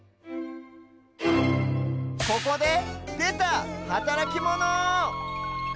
ここででたはたらきモノ！